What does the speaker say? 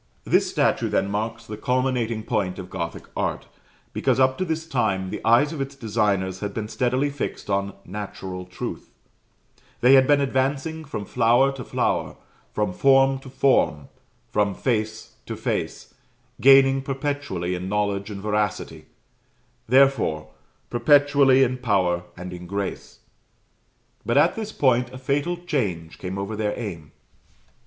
This statue, then, marks the culminating point of Gothic art, because, up to this time, the eyes of its designers had been steadily fixed on natural truth they had been advancing from flower to flower, from form to form, from face to face, gaining perpetually in knowledge and veracity therefore, perpetually in power and in grace. But at this point a fatal change came over their aim.